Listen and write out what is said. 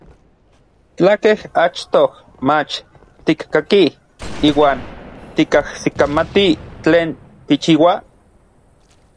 Tlakej achtoj mach tikkakij iuan tikajsikamati tlen kichiua?